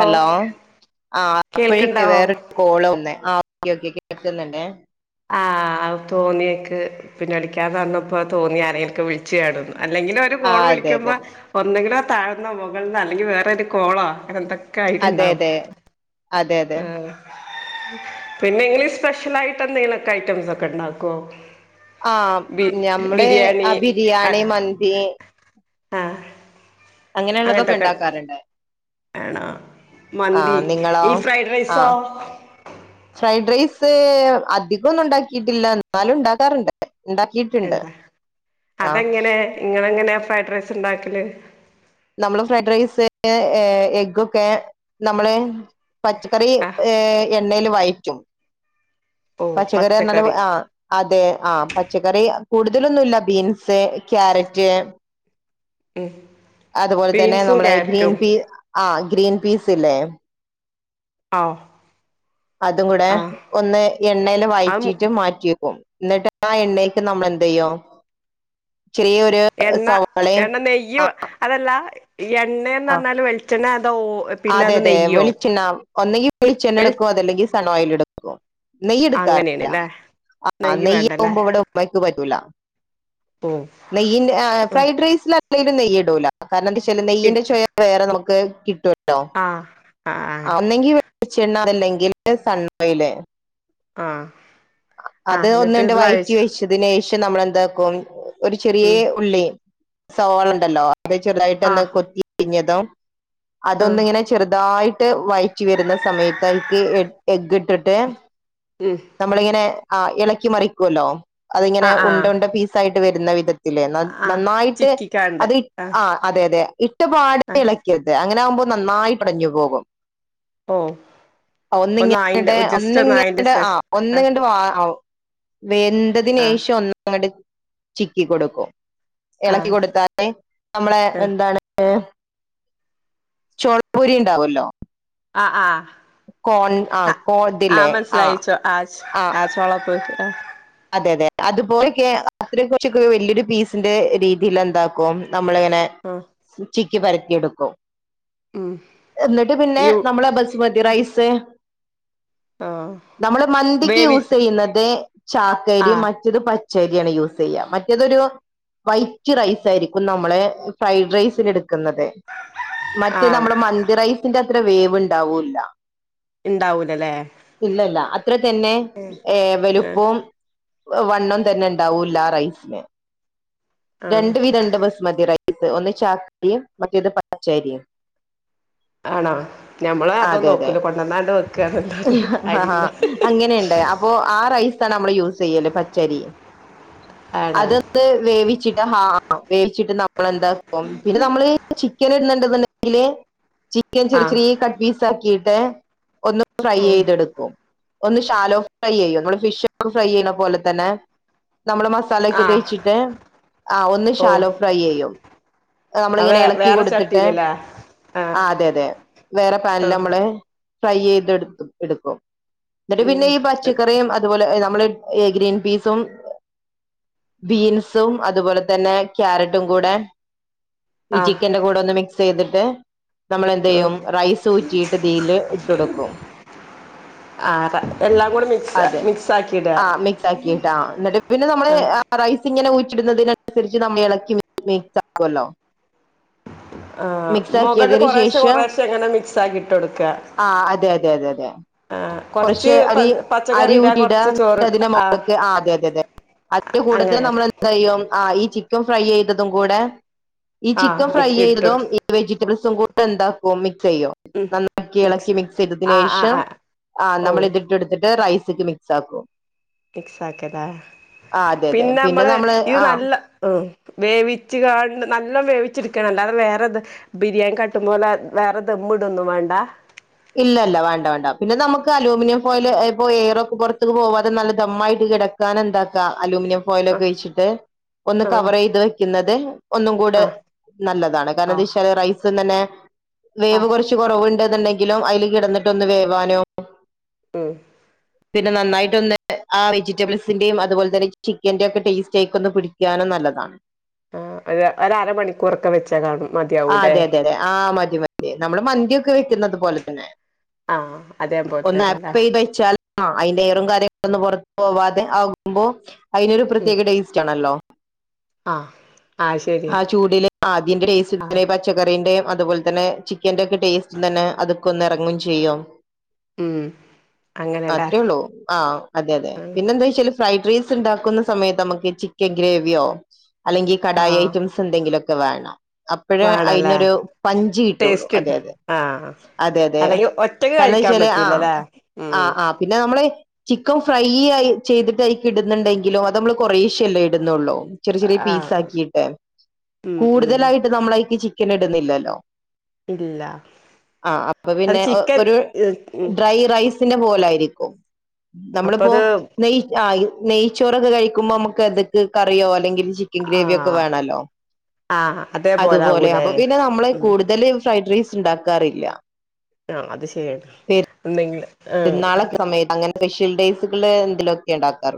Hello ആഹ് അപ്പഴേക്ക് കേൾക്ക്ണ്ടാവോ വേറൊരു കോള് വന്ന് ആ ഓ ഓക്കെ കേൾക്കുന്നിണ്ടേ ആഹ് അത് തോന്നിയക്ക്, പിന്നെ അടിക്കാന്ന് പറഞ്ഞപ്പോ തോന്നി ആരെങ്കിലൊക്കെ വിളിച്ചേ [unintelligible] അല്ലെങ്കില് ഒരു ആ കോള് അതെ അതെ വിളിക്കുമ്പോ അതെ ഒന്നെങ്കിലും താഴ്ന്ന മുകളന്നാ അല്ലെങ്കി വേറൊരു കോളോ അങ്ങനെന്ത ഒക്കെ അതെ ആയിട്ടുണ്ടാവും അതെ അതെ അതെ ആഹ് പിന്നെ ഇങ്ങള് സ്പെഷ്യൽ ആയിട്ട് എന്തെങ്കിലൊക്കെ ഐറ്റംസ് ഒക്കെ ഇണ്ടാക്കോ? ആഹ് ഞമ്മള് ആ ബിരിയാണി മന്തി ആ അങ്ങനെയുള്ളതൊക്കെ ഉണ്ടാക്കാറിണ്ട്. എണ മന്തി നിങ്ങളോ ഈ ഫ്രൈഡ് ആ റൈസോ സ് അധികൊന്നും ഉണ്ടാക്കിയിട്ടില്ല എന്നാലും ഉണ്ടാക്കാറുണ്ട് ഉണ്ടാക്കിയിട്ടുണ്ട് ഉണ്ടാ ആ അതെങ്ങനെ ങ്ങ എങ്ങനെയാ ഫ്രൈഡ് റൈസ് ഇണ്ടാക്കല് നമ്മള് ഫ്രൈഡ് റൈസ് എഗ്ഗൊക്കെ നമ്മള് പച്ചക്കറി ആഹ് ഏഹ് എ എണ്ണയില് വയറ്റും പച്ചക്കറി എന്നാലും ആഹ് അതെ ആഹ് പച്ചക്കറി കൂടുതലൊന്നുല്ല ബീൻസ് ക്യാരറ്റ് ഉം അതുപോലതന്നെ ബീൻസും നമ്മളെ ഗ്രീൻ ക്യാരറ്റും പീ ആ ഗ്രീൻ പീസ് ഇല്ലേ ആഹ് അതും കൂടെ ഒന്ന് എണ്ണേല് അത് വയറ്റീട്ട് മാറ്റി വെക്കും എന്നിട്ട് ആ എണ്ണേക്ക് നമ്മളെന്തെയ്യും എണ്ണ എണ്ണ ആ നെയ്യും അതല്ലാ ആ എണ്ണേന്നർഞ്ഞാല് വെളിച്ചെണ്ണേ അതോ ഓ അതെ അതെ വളിച്ചെണ്ണ ഒന്നെങ്കി വെളിച്ചെണ്ണ വെളി എടുക്കും അതല്ലെങ്കി സണ്ണോ കയ്യിലെടുക്കോ നെയ്യെടുക്കാറില്ല അങ്ങനെയാണ്ല്ലേ ആ നെയ്യ് വേണ്ടല്ലേ നെയ്യാകുമ്പോ ഇവിടെ ഉമ്മക്ക് പറ്റൂലാ ഓ നെയ്യിന്റെ ആ ഫ്രൈഡ്രൈസിലാ [unintelligible] നെയ്യ് ഇടൂല കാരണംന്താച്ചാല് നെയ്യിന്റെ ചൊയ വേറെ നമുക്ക് കേ കിട്ടും ആ അ ആ ചെണ്ണാറില്ലെങ്കിൽ സണ്ണോയില് ആ അത് ഒന്നുണ്ട് വയറ്റി വെച്ചതിലേയ് ക്ഷെ നമ്മളെന്താക്കും ഒരു ഉം ചെറിയേ ഉള്ളി സവാളുണ്ടല്ലോ അതെ ചെറുതായിട്ടൊന്ന് ആഹ് കൊത്തി അരിഞ്ഞതും അതൊന്ന് ആഹ് ഇങ്ങനെ ചെറുതായി ട്ട് വഴറ്റി വരുന്ന സമയത്തായിട്ട് എ എഗിട്ടിട്ട് ഉം നമ്മളിങ്ങനെ ആ ഇളക്കി മറിക്കുവല്ലോ? അതിങ്ങനെ ആഹ് ഉണ്ട ആഹ് ഉണ്ട പീസ് ആയി വരുന്ന വിധത്തി ത്തിലെ നന്ന് ആഹ് നന്നായിട്ട് ചിക്കിക്കാണ്ട് അത് ഇ ആഹ് ആ അതെ അതെ ഇട്ടപാടെ ആഹ് ഇളക്കിയത് അങ്ങനാവു പ്പൊ നന്നായിട്ടൊടഞ്ഞു പോകും- ഓ ഒന്ന് ആയിന്റെ ഒ ജസ്റ്റ് ഒന്ന് ആയിന്റെ ശേഷം ആഹ് ഒന്നിങ്ങട്ട് വാ ആവോ ആഹ് വെന്തതിനേഷം ഒന്നിങ്ങ ട് ചിക്കി കൊടുക്കും- എളക്കി ആഹ് കൊടുത്താലെ നമ്മളെ ആഹ് എന്താണ് ചോളപൊരി ഇണ്ടാവോല്ലോ? അ ആ അ കോ ആ ഇതില്ലേ മനസ്സിലായിച്ചോ ആച് ആ ആചോളപ്പൊരി അ അതെ അതെ അതുപോലിക്കെ അത്രയും കുറച്ചിക്ക് വലിയൊരു പീസിന്റെ രീതിയില എന്താക്കും നമ്മളിങ്ങനെ ഉച്ചി ക്കി പരത്തിയെടുക്കോ ഉം എന്നിട്ട് പിന്നെ യു നമ്മളെ ബസുമതി റൈസ് ആ നമ്മള് മന്തിക്ക് വേവി യൂസെയ്യുന്നത് ആ ചാക്കരിയും മറ്റത് പ ച്ചരിയാണ് യൂസെയ്യാം മറ്റേതൊരു വൈറ്റ് റൈസായിരിക്കും നമ്മളെ ഫ്രൈഡ് റൈസിന് എടു ക്കുന്നതേ ആ മറ്റേ നമ്മള മന്തി റൈസിന്റെ - അത്ര വേവിണ്ടാവൂല്ല ഇണ്ടാവൂല്ലല്ലേ? ഇത്ര തന്നെ ഏവലു- ഓം വണ്ണം തന്നെ ഇണ്ടാവൂല്ലാറൈസിന്- ആ രണ്ട് വിധം ഉണ്ട് ബസ്മതി റൈ സ് ഒന്ന് ചാക്ക്രിയും മറ്റേത് പച്ചരിയും ആണോ ഞമ്മള് അതോ അതെ അതെ നോക്കൂല കൊണ്ടുവന്നാണ്ട് വെക്കന്നല്ലാദേ ആഹാ അരിന്റെ അങ്ങനെയുണ്ട് അപ്പൊ ആ റൈസാണ് നമ്മൾ യൂസ് ചെയ്യല്ല പച്ചരി- ആടാ അതൊന്ന് വേവിച്ചിട്ട് ആ വേവിച്ചിട്ട് നമ്മളെന്താക്കും പിന്നെ നമ്മളീ ചിക്കൻ ഇടണ്ട്- കൊല്ലം ജില്ലേ- ചിക്കൻ ആ ചെറി ചെറിയ കട്ട് പീസാക്കി- ഒന്ന് ട്രൈ ചെയ്തെടുക്കും ഒന്ന് ശാലോ ഫ്രൈ ചെയ്യോ നമ്മൾ ഫിഷ് ഫ്രൈ ചെയ്യണ പോലെ തന്നെ നമ്മൾ മസാല ഒക്കെ ആ തേച്ചിട്ട് ആ ഒന്ന് ഓ ശാലോ ഫ്രൈ ചെയ്യും ആ നമ്മളിങ്ങനെ വേ ഇളക്കി വേറെ കൊടുത്തിട്ട് ചട്ടീലല്ലേ ആ അതെ അതെ വേറെ ആ പാനിൽ നമ്മൾ ഫ്രൈ ചെയ്തെടു എടുക്കും എന്നിട്ട് പിന്നെ ഉം ഈ പച്ചക്കറിയും അതുപോലെ നമ്മൾ ഗ്രീൻ പീസും ബീൻസും അതുപോലെ തന്നെ ക്യാരറ്റും കൂടെ ഈ ആ ചിക്കന്റെ കൂടെ ഒന്ന് മിക്സ് ചെയ്തിട്ട് നമ്മൾ എന്ത് ചെയ്യും റൈസ് ഊറ്റിയിട്ട് ഇതില് ഇട്ട് കൊടുക്കും ആ എല്ലാം കൂടെ അതെ മിക്സ് ആക്കി ആ മിക്സ് ആക്കിട്ടാ എന്നിട്ട് പിന്നെ നമ്മൾ ആ റൈസ് ഇങ്ങനെ ഊറ്റി ഇടുന്നതിനനുസരിച്ച് നമ്മൾ ഇളക്കി മിക്സ് ആകുമല്ലോ ആ മുകള് കൊറെശ്ശെ ശേഷം കൊറെശേ ഇങ്ങനെ മിക്സ് ആക്കിട്ട് ഇട്ട് കൊടുക്ക ആ അതെ അതെ അതെ അതെ ആ കുറച്ച് അരി അരി ഊറ്റി ഇടാ ചോറ് അതിന്റെ ആഹ് മുകൾക്ക് ആ അതെ അതെ അതെ അതിന്റെ കൂടെത അങ്ങനെ നമ്മൾെന്തായും ഈ ചിക്കൻ ഫ്രൈ ചെയ്തതും കൂടെ ഈ ആഹ് ചിക്കൻ ഫ്രൈ മിക്സ് ഇട്ട് ചെയ്തതും കൊടുക്ക ഈ വെജിറ്റബിൾസും കൂടെ എന്താ കോമി ചെയ്യോ ഉം നന്നാക്കി ഇളക്കി മിക്സ് ചെയ്തതിന് ആഹ് ആഹ് ശേഷം ആഹ് ആ ഓ നമ്മൾ ഇതിട്ടെടുത്തിട്ട് റൈസ് മിക്സ് ആക്കും മിക്സ് ആക്കല്ലാ ആ അതെ അതെ പിന്നെ നമ്മള് ഇത് ആ നല്ല വേവിച്ച കാണ്ട് നല്ല വേവിച്ചി ക്കനുണ്ട് അല്ലാതെ വേറേത് ബിരിയാണി കട്ടുമ്പോലെ വേറെ ദം ഇടൊന്നും വേണ്ടാ ഇല്ല ല്ല വേണ്ട വേണ്ട പിന്നെ നമുക്ക് അലൂമിനിയം ഫോയില് ഇപ്പൊ എയറൊക്കെ പുറത്ത്ക്ക് പോവാതെ നല്ല ദമ്മായിട്ട് കെടക്കാനെന്താക്കാ അലൂമിനിയം ആഹ് ഫോയിലുപയോഗിച്ചിട്ട് ഒന്ന് കവറെയ്ത് വെയ്ക്കുന്നത് ഒന്നും കൂടെ ആഹ് നല്ലതാണ് കാരണം ആഹ് [unintelligible] റൈസ്ന്നന്നെ ആഹ് വേവ് ആഹ് കുറച്ച് കൊറവുണ്ട്ന്നുണ്ട ങ്കിലും അയില് കെടന്നിട്ടൊന്ന് വേവാനും ഉം പിന്നെ നന്നായിട്ടൊന്ന് ആ വെജിറ്റബിൾസിന്റേം അതുപോലെ തന്നെ ചിക്കന്റെ ഒക്കെ ടേസ്റ്റേ ആയിക്കൊന്ന് പിടിക്കാനും നല്ലതാണ് ആഹ് ഒര് ഒരരമണിക്കൂറൊക്കെ വെച്ചാ കാണു ആഹ് അതെ അതെ അതെ ആഹ് മതി മതി നമ്മള് മന്തിയൊക്കെ വെ യ്ക്കുന്നത് പോലെ തന്നെ ആഹ് അതേപോലെ ഒന്ന് തന്നെല്ലേ ആപ്പ് ചെയ്ത് വെച്ചാലോ അയിന്റെ എയറും കാര്യങ്ങളൊന്ന് പൊറ പോവാതെ ആകുമ്പോ അയിനൊരു ഉം പ്രത്യേക ടേസ്റ്റ് ആണല്ലോ ആഹ് ആഹ് ആ ശരിയാണ് ചൂടില് ആദ്യന്റെ ആഹ് ടേസ്റ്റ് [unintelligible] പച്ചകറീന്റെ അതുപോലെ തന്നെ ചിക്കന്റെ ഒക്കെ ടേസ്റ്റ് തന്നെ അതൊക്കൊന്ന് എറങ്ങും ചെയ്യും ഉം അങ്ങനെല്ലേ അത്രേ ഉള്ളൂ. ആ അതെ അതെ പിന്നെ എന്താ വെച്ചല് ഫ്രൈഡ് റൈസ് ഉണ്ടാക്കുന്ന സമയത്ത് നമുക്ക് ചിക്കൻ ഗ്രേവിയോ അല്ലെങ്കി കടായി ആഹ് ഐറ്റംസ് എന്തങ്കിലൊ ക്കെ വേണം അപ്പഴേ വേണല്ലേ അയിനൊരു പഞ്ച് കിട്ടൊള്ളൂ. ടേസ്റ്റ് അതെ ഉണ്ട് അതെ ആഹ് അതെ അതെ അല്ലെങ്കി ഒറ്റക്ക് കാരണന്ന് കഴിക്കാൻ വച്ചാല് ആ പറ്റൂലല്ലേ ആ ഉം ആ പിന്നെ നമ്മള് ചിക്കൻ ഫ്രൈ ആയി ചെയ്തിട്ട് അയ്ക്കി ഇടുന്നുണ്ടെങ്കിലും അത് നമ്മള് കൊറേശ്ശേല്ലേ ഇടുന്നൊള്ളൂ ചെറിയ ചെറിയ ആഹ് പീസ് ആക്കിട്ട് ഉം ഉം കൂടുതലായി നമ്മളയീക്ക് ചിക്കൻ ഇടുന്നില്ലല്ലോ ഇല്ല ആ അപ്പൊ അത് പിന്നെ ഒ ചിക്കൻ ഒരു ഉം ഡ്രൈ റൈസ് ത്തിൻ്റെ പോലായിരിക്കും നമ്മളിപ്പോ അപ്പത് നെയ് ആയി നെയ്ച്ചോറൊക്കെ കഴിക്കുമ്പോ നമുക്ക് അത്ക്ക് കറിയോ അല്ലെങ്കി ചിക്കൻ ഗ്രേവി ഒക്കെ ആഹ് വേണല്ലോ ആഹ് അതേപോലെ അതുപോലെ ആകൂലേ അപ്പൊ പിന്നെ നമ്മളെ ഉം കൂടുതല് സ ഡ്രൈസ് ഉണ്ടാക്കാറില്ല ആഹ് അത് ശരിയാണ് എന്നെങ്കിലു പരുന്നാള് സമയങ്ങനെ സ്പെഷ്യൽ ഡേസുകള് എന്തെലുക്കെ ഉണ്ടാക്കാർ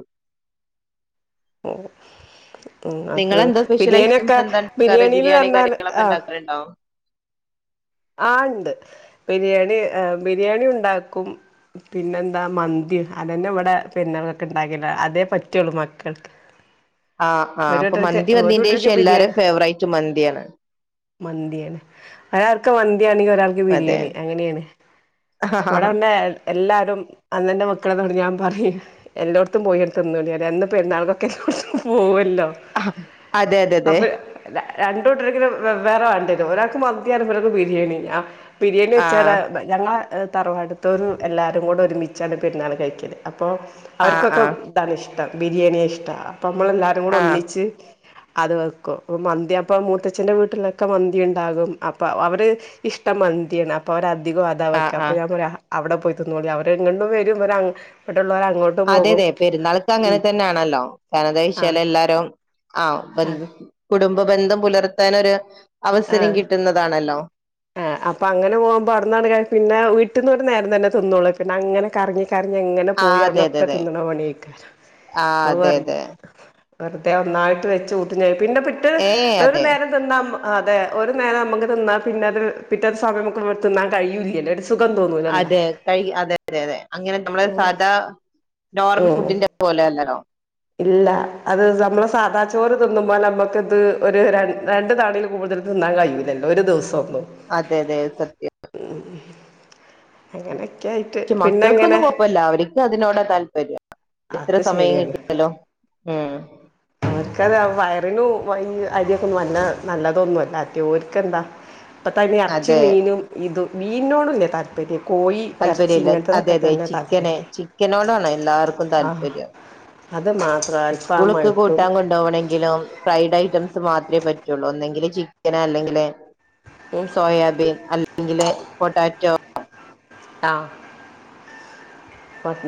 ഓ ഉം അത് നിങ്ങളെന്താ സ്പെഷ്യൽ ബിരിയാണിക്കെ ഐറ്റംസ് എന്താ ഉണ്ടാക്കാറ് ബിരിയാണിൽ ബിരിയാണി തന്ന കാര്യങ്ങളൊക്കെ ആഹ് ഉണ്ടാക്കാറുണ്ടോ ആ ണ്ട് ബിരിയാണി ബിരിയാണി ഉണ്ടാക്കും പിന്നെന്താ മന്തി അതന്നെ ഇവിടെ പിന്നർക്കൊക്കെ ഉണ്ടാക്കി അതേ പറ്റുള്ളു മക്കൾക്ക്‌ ആ ആ അപ്പൊ മന്തി വന്നീന്റെ ശേഷം എല്ലാരെം ബിരിയാണി ഫേവറേറ്റ് മന്തിയാണ് മന്തിയാണ് അർ മന്തി യാണെങ്കിൽ ഒരാൾക്ക് അതെ ബിരിയാണി അങ്ങനെയാണ് ആ ഇവിടെന്ന എല്ലാരും അന്നന്റെ മക്കളെന്നോട് ഞാൻ പറയു എല്ലോട്ത്തും പോയി തിന്നോളി ന്ന പെരുന്നാൾക്ക് എല്ലോട്ത്തും പോ ല്ലൊ അതെ അതെ അതെ അപ്പൊ രണ്ട് കൂട്ടർക്കും വേ വേറെ വേണ്ടേനു ഒരാൾക്ക് മന്തിയ ഒരാൾക്ക് ബിരിയാണി ബിരിയാണി ആ വെച്ചടെ ഞങ്ങ തറവാടുത്തൊം എല്ലാരും കൂടൊരുമിച്ചാണ് പെരുന്നാൾ കഴിക്കിയല് അപ്പോൾ അപ്പോ ആ ആ അവര്ക്കൊക്കെ ഇതാണ് ഇഷ്ടം ഷ്ട ബിരിയാണി ഇഷ്ട അപ്പ മ്മളല്ലാരും കൂടെ ആ ഒന്നിച്ച് അത് വെക്കും മന്തി അപ്പൊ മൂത്തച്ഛന്റെ വീട്ടിലൊക്കെ മന്തി ഉണ്ടാകും അ അവര് ഇഷ്ടം മന്തിയാണ് അപ്പോ അവ അധികം അതാ ആ വക്ക ആ അപ്പൊ ഞ അവിടെ പോയി തിന്നോളി അവരെങ്ങും വരും അവ അതെതെ പെരുന്നാൾക്ക് അങ്ങനെ ഉം തന്നെയാണല്ലോ കാരണം എന്താച്ചാൽ ആഹ് എല്ലാരും ആ ആഹ് ബന്ധം പുലർത്തനരു അവസരം കിട്ടുന്നതാണല്ലോ ആ അപ്പ അങ്ങന പോകുമ്പോ അവിടെന്നാണ് കയ് പിന്നെ വീട്ടന്ന് ഒരു നേരം തന്ന തിന്നൊളൂ പിന്നെ അങ്ങനെ കറങ്ങി കറങ്ങിങ്ങനെ ആഹ് പോയി അതെ അതെ അട്ന്നൊക്കെ അതെ തിന്നണ പണിക്ക ആഹ് അവ അതെ പറഞ്ഞ അതെ വെറുതെ ഒന്നായിട്ട് വച്ച് ഊഞ്ഞ പിന്നെ പിറ്റ് ഏഹ് വെറ അതെ നേരം തിന്നാ ആ അതെ ഒരു നേരം നമുക്ക് തിന്നാ പിന്നെ അത് പിറ്റേത് സമയമുക്കമ തിന്നാ കയൂല്ലോ അ അതെ കഴി അതെ അതെ അതെ അങ്ങനെ നമ്മള് സാദാ നോർമൽ ഉം ഫുഡിന്റെ പോലെല്ലല്ലോ ഇല്ല അത് നമ്മള് സാദാ ചോറ് തിന്നുമ്പോ നമ്മക്ക ഇത് ഒരു രണ്ട താണയിൽ കൂടുതൽ തിന്നാൻ കയൂലല്ലോ ഒരു ദിവസം ഒന്നും അതെ അതെ സത്യം അങ്ങനെ ക്കെ ആയിട്ട് പിന്നെങ്ങനെ ഴപ്പല്ല അവർക്കും അതിനോട താല്പര്യം എത്ര അത് സമയം ശരിയാണ് കിട്ടിയാലോ ഉം അത് വയറിനും അരിയൊക്കെ ഒന്നും വല്ല നല്ലതൊന്നും അല്ലെങ്കി ഓർക്കെന്താ ഇപ്പത്തന്നെ ഇറച്ചി അതെ മീനും ഇതും മീനോടല്ലേ താല്പര്യം കോയി ഇറച്ചി താല്പര്യല്ല അതെ ഇങ്ങനത്തെതൊക്കെ അതെ തന്നെ താല്പ ചിക്കന് ചിക്കനോടാണ് എല്ലാവർക്കും ആഹ് താല്പര്യം അത് മാത്രം സ്കൂള്ക്ക് അൽഫാമായിട്ടും കൂട്ടാൻ കൊണ്ടുപോകണമെങ്കിലും ഫ്രൈഡ് ഐറ്റംസ് മാ ത്രേ പറ്റുള്ളൂ ഒന്നുങ്കിൽ ചിക്കന് അല്ലെങ്കില് ഉം സോയാബീൻ അല്ലെങ്കില് പൊട്ടാറ്റോ ആ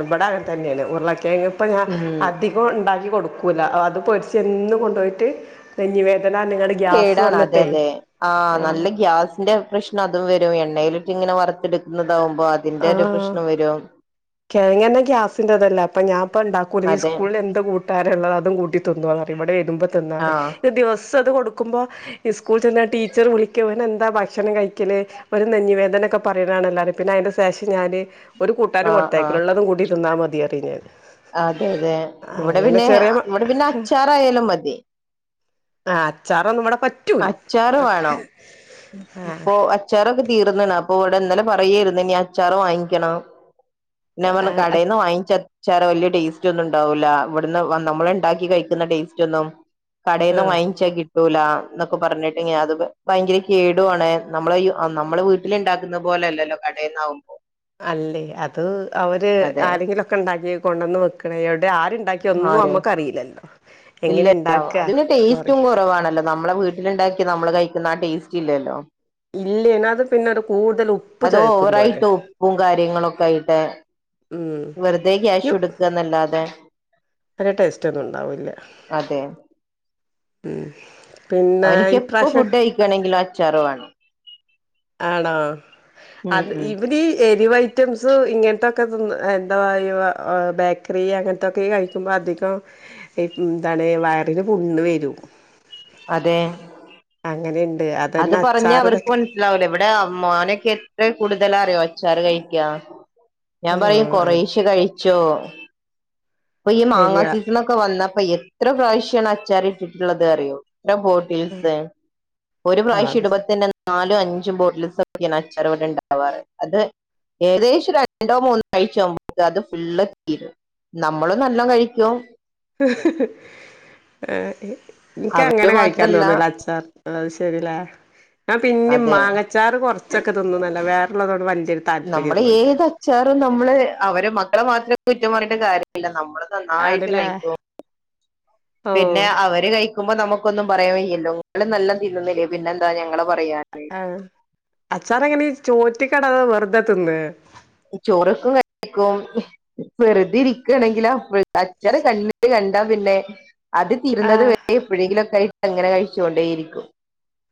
ഇവിടെ അങ്ങൻതന്നെയാണ് ഉരുള ങ്‌ ഇപ്പ ഞാൻ ഉം അധികം ഉണ്ടാക്കി കൊടുക്കും പൂല അത് പൊരിച്ചെന്നു കൊണ്ടോയിട്ട് നെഞ്ചിവേ കേടാണ് അതേ അതെ ആ ആഹ് നല്ല ഗ്യാസിന്റെ പ്രശ്നം തും വരും എണ്ണയിലിട്ട് ഇങ്ങനെ വറുത്തെടുക്കുന്നത് ണ്ടാവുമ്പോ അതിന്റെ ഒരു പ്രശ്നോം വരും കെഴങ്ങന്നെ ഗ്യാസിന്റെ ഇതല്ലേ അപ്പ ഞാപ്പ ഉണ്ടാക്കൂല്ല നീ അതെ സ്കൂളിന്ന് എന്ത് കൂട്ടാന ഉള്ളതും കൂട്ടി തി ന്തുവാന്നു പറയും ഇവിടെ വര്മ്പോ തിന്നാറയും ആഹ് ഈ ദിവസ് ത് കൊടുക്കുമ്പോ ഇ സ്കൂളിൽ ചെന്ന ടീച്ചർ വിളിക്കും ഇവനെന്താ ഭക്ഷണം കഴിക്കല് ഒരു നെഞ്ഞിവേദനൊക്കെ പറയണാണ്ല്ല അതിപിന്നെ അതിന്റെ ശേഷം ഞാന് ഒരു കൂട്ടാനും കൊ ആഹ് ആഹ് ബാക്കിലുള്ളതും കൂടി തിന്നാ മതി പറയും ഞാൻ അതെ അതെ ഇവിടെ അങ്ങനെ പിന്നെ ചെറിയ മ ഇവിടെ പിന്നെ അച്ചാർ ആയാലും മതി ആ അച്ചാറൊന്നും ഇവിടെ പറ്റൂല അച്ചാർ വേണം ആ ഇപ്പൊ അച്ചാറൊ തീർന്നാണ് അപ്പൊ ഇവിടെ ഇന്നലെ പറയാരുന്നു ഇനി അച്ചാറ് വാങ്ങിക്കണം പിന്നെ ഞാ പറഞ്ഞ് കടെന്ന് വാങ്ങിച്ച ച്ചാർ വലിയ ടേസ്റ്റ് ഒന്നും ഉണ്ടാവില്ല ഇവിടുന്ന് നമ്മള്ണ്ടാക്കി കഴിക്കുന്ന ടേസ്റ്റ് ഒന്നും കടേന്നു ആ വാങ്ങിച്ച കി ട്ടൂല്ലാ എന്നൊക്കെ പറഞ്ഞിട്ട് ഞാ അത് ഭയങ്കര കേടുവാണ് നമ്മള് നമ്മളെ വീട്ടിലിണ്ടാക്കുന്ന പോലെല്ലല്ലോ കടെന്നാവുമ്പോ അല്ലേ അത് അവര് അതെ ആരെങ്കിലോക്കെ ഇണ്ടാക്കി കൊണ്ടന്ന് വെക്കണ ഇവിടെ ആരുണ്ടാക്കി റ്റൊന്നും അമ്മക്ക് അറിയിന്ന്ല്ല ഇല്ലല്ല അതിന് ടേസ്റ്റും പറയില്ല കുറവാണല്ലോ നമ്മളെ വീട്ടിലുണ്ടാക്കി നമ്മള് കയി ക്കുന്ന ആ ടേസ്റ്റ് ഇല്ലല്ലോ ഇല്ല്യെ ന്ന അത് പിന്നെരു കൂടുതൽ ഉപ്പ് അത് ചോയക്കും പോലെ എ ഉം വെറുതെ ക്യാഷ് കൊടുക്ക്ആന്നല്ലാതെ വല്ല്യ ടേസ്റ്റ് ഒന്നും ഉണ്ടാവില്ല അതെ ഉം പിന്നെ ഈ പ്രാവശ്യം ച്ചാറുവേണം ആണോ അത് ഉം ഇവരി എ [unintelligible] ഐറ്റംസ് ഇങ്ങൻത്തെ ത്തത് തിന്ന് എന്താ വായി വ ബേക്കറി അങ്ങനത്തൊക്കെ കഴിക്കുമ്പോ അധികം എന്താണ് വയറിന് പുണ്ണ് വരും അതെ അങ്ങനെന് അത് പറഞ്ഞ അവർക്ക് മനസ്സിലാവൂല ഇവിടെ മോനൊക്കെ എത്രേ കൂടുതലറിയോ അച്ചാറ് കയിക്കാ ഞാൻ ആ പറയും അത് കൊറേശ്ശെ കഴിച്ചോ ഇപ്പ ഈ മാങ്ങാ ശരിയാ സീസൺ ഒക്കെ വന്ന പ്പൊ എത്ര പ്രാവശ്യാണ് അച്ചാറിട്ടിട്ട്ള്ളത് അറിയോ എത്ര ഉം ബോട്ടിൽസ് ഒരു ആഹ് പ്രാവശ്യം അത് ഇടുപ്പോതന്നെ നാലും അഞ്ചും ബോട്ടിൽസൊക്കെയാണ് അച്ചറിവിടെ ഇണ്ടാവാറ് അത് ഏകദേശം രണ്ടോ മൂന്നോ ആഴ്ച ആവുമ്പോ അത് ഫുള്ള് തീരും നമ്മള് നല്ലോം കഴിക്കും ആ ഏ എനിക്ക് അവര് അങ്ങനെ കഴിക്കാൻ മാത്രല്ല തോന്നൂല അച്ചാറ് അത് ശെരിലെ ആ പിന്നെ അതെ മാങ്ങച്ചാറ് കൊറച്ചൊക്കെ തിന്നുന്നല്ല വേ ള്ളതൊണ്ട് വെല് നമ്മള് ഏത് അച്ചാറും നമ്മള് അവരെ മക്കളെ മാത്രേ കു കുറ്റം പറഞ്ഞിട്ട് കാര്യല്ല നമ്മള് നന്നായിട്ട് ആണ്ല്ലേ കയിക്കും ഓഹ് പിന്നെ അവര് കയിക്കുമ്പോ നമു ക്കോന്നും പറയാൻ വയ്യല്ലോ നിങ്ങള് നല്ലോം തിനുന്നില്ലേ പിന്നെ എന്താ ഞങ്ങളെ പ ആ അച്ചാറ് എങ്ങനെ ചോറ്റിക്കട വെറുതെ തിന്നേ ചോറ്ക്കും കഴിക്കും വെറ്തെ ഇരിക്കാണെങ്കിൽ അപ്പ അച്ചാറ് കണ്ണ്ല് ക ണ്ടാ പിന്നെ അത് തീരുന്നത് ആഹ് വരെ എപ്പോഴെങ്കിലുക്കെയി അങ്ങനെ കഴിച്ചോണ്ടേരിക്കും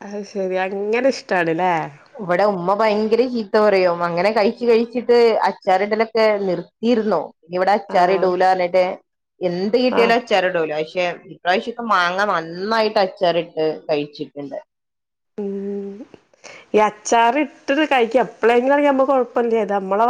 അത് ശെരി അങ്ങനെ ഇഷ്ടാണ്ല്ലേ ഇവിടെ ഉമ്മ ഭയങ്കര ചീ ത്ത പറയും അങ്ങനെ കഴിച്ച് കഴിച്ചിട്ട് അച്ചാറിണ്ടലൊക്കെ നിർത്തിയിരിന്നു ഇവിടെ ആഹ് അച്ചാറിടൂലാറഞ്ഞിട്ട് എന്ത് ആഹ് കിട്ടിയാലും അച്ചാറിടൂല പക്ഷെ ഇപ്രാവശ്യക്കെ മാങ്ങ നന്നായിട്ട് അച്ചാറിട്ട് കഴിച്ചിട്ട്ണ്ട് ഉം